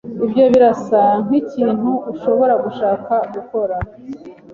Ibyo birasa nkikintu ushobora gushaka gukora?